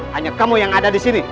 hanya kamu yang ada di sini